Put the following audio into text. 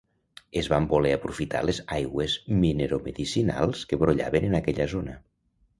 Es van voler aprofitar les aigües mineromedicinals que brollaven en aquella zona.